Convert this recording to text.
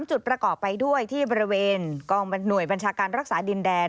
จุดประกอบไปด้วยที่บริเวณกองหน่วยบัญชาการรักษาดินแดน